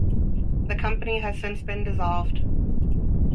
The company has since been dissolved.